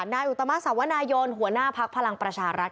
นายุธรมาศษาวนายนหัวหน้าภักดิ์พลังประชารักษณ์